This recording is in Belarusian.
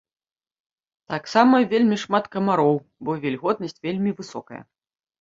Таксама вельмі шмат камароў, бо вільготнасць вельмі высокая.